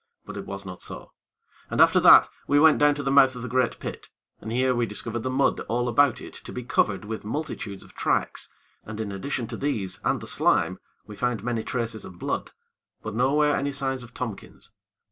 But it was not so, and after that, we went down to the mouth of the great pit, and here we discovered the mud all about it to be covered with multitudes of tracks, and in addition to these and the slime, we found many traces of blood; but nowhere any signs of Tompkins.